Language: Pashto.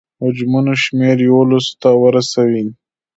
حجونو شمېر یوولسو ته ورسوي.